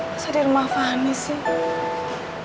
masa di rumah fahmi sih